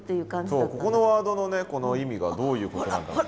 ここのワードのねこの意味がどういうことなんだろう。